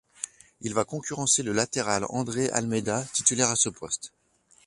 Il va concurrencer le latéral André Almeida, titulaire à ce poste.